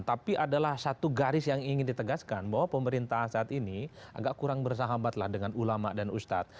tapi adalah satu garis yang ingin ditegaskan bahwa pemerintah saat ini agak kurang bersahabatlah dengan ulama dan ustadz